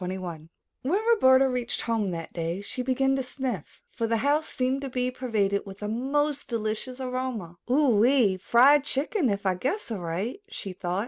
A NEW ARRIVAL When Roberta reached home that day, she began to sniff, for the house seemed to be pervaded with a most delicious aroma. "Ohee, fried chicken, if I guess aright!" she thought.